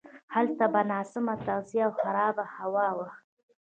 هلته به ناسمه تغذیه او خرابه هوا وه.